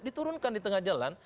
diturunkan di tengah jalan